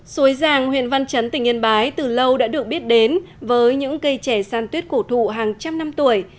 suối giàng huyện văn chấn tỉnh yên bái từ lâu đã được biết đến với những cây trẻ san tuyết cổ thụ hàng trăm năm tuổi